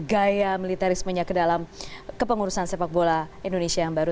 gaya militerismenya ke dalam kepengurusan sepak bola indonesia yang baru